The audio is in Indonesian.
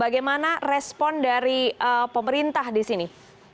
bagaimana respon dari pemerintah di sini